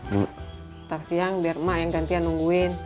nanti siang biar mak yang gantian nunggu